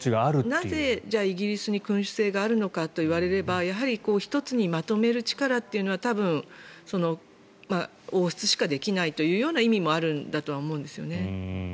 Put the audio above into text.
なぜ、イギリスに君主制があるのかといわれればやはり１つにまとめる力というのは多分、王室しかできないという意味もあるんだと思うんですよね。